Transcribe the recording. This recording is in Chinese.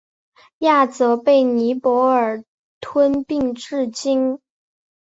亚泽被尼泊尔吞并至今。